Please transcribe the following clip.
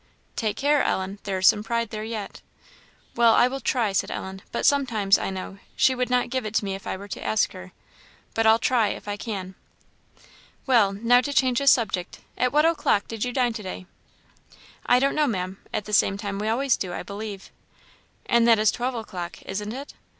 "Take care, Ellen; there is some pride there yet." "Well, I will try," said Ellen. "but sometimes, I know, she would not give it to me if I were to ask her. But I'll try, if I can." "Well, now to change the subject at what o'clock did you dine to day?" "I don't know, Maam at the same time we always do, I believe." "And that is twelve o'clock, isn't it?"